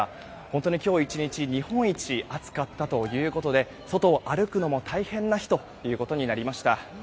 本当に今日１日日本一暑かったということで外を歩くのも大変な日となりました。